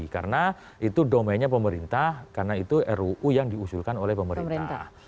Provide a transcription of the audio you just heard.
karena itu domainnya pemerintah karena itu ruu yang diusulkan oleh pemerintah